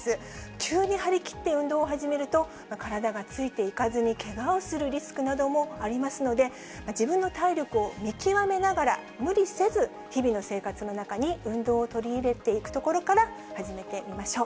急に張り切って運動を始めると、体がついていかずにけがをするリスクなどもありますので、自分の体力を見極めながら無理せず、日々の生活の中に運動を取り入れていくところから始めてみましょう。